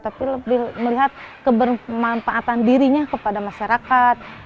tapi lebih melihat kebermanfaatan dirinya kepada masyarakat